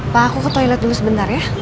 pak aku ke toilet dulu sebentar ya